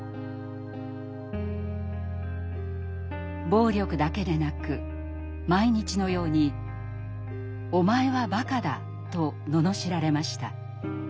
暴力だけでなく毎日のように「お前はバカだ」と罵られました。